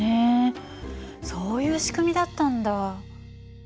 そういう仕組みだったんだ。